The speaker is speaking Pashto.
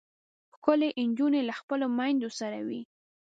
ښکلې نجونې له خپلو میندو سره وي.